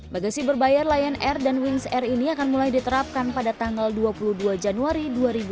bagasi berbayar lion air dan wings air ini akan mulai diterapkan pada tanggal dua puluh dua januari dua ribu dua puluh